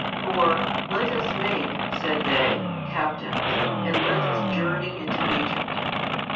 For, Let us make, said they, captains, and let us journey into Egypt.